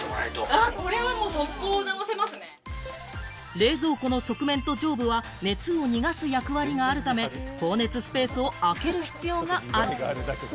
冷蔵庫の側面と上部は熱を逃がす役割があるため、放熱スペースを空ける必要がある。